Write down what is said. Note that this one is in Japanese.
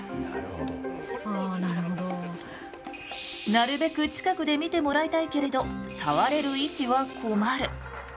なるべく近くで見てもらいたいけれどさわれる位置は困る。